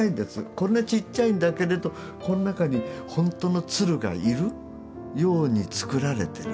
こんなちっちゃいんだけれどこの中にほんとの鶴がいるように作られてる。